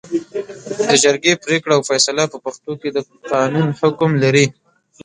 د جرګې پرېکړه او فېصله په پښتو کې د قانون حکم لري